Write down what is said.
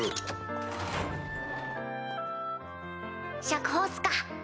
釈放っすか？